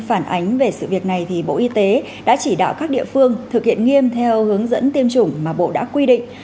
phản ánh về sự việc này bộ y tế đã chỉ đạo các địa phương thực hiện nghiêm theo hướng dẫn tiêm chủng mà bộ đã quy định